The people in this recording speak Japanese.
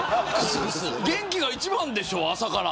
元気が一番でしょ朝から。